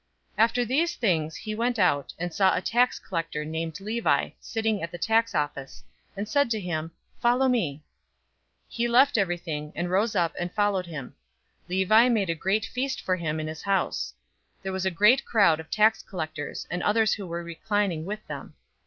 005:027 After these things he went out, and saw a tax collector named Levi sitting at the tax office, and said to him, "Follow me!" 005:028 He left everything, and rose up and followed him. 005:029 Levi made a great feast for him in his house. There was a great crowd of tax collectors and others who were reclining with them.